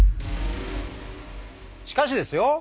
しかしですよ